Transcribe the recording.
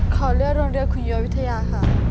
ขอเลือกโรงเรียนคุยเยอะวิทยาค่ะ